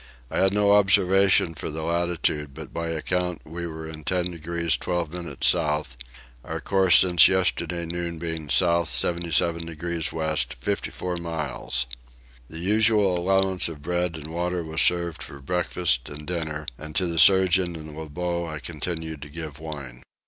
I had no observation for the latitude but by account we were in 10 degrees 12 minutes south; our course since yesterday noon being south 77 degrees west 54 miles. The usual allowance of bread and water was served for breakfast and dinner, and to the surgeon and Lebogue I continued to give wine.